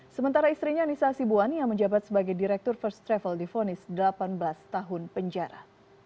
sementara istrinya anissa hasibuan yang menjabat sebagai direktur first travel difonis delapan belas tahun penjara